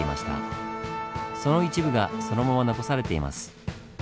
その一部がそのまま残されています。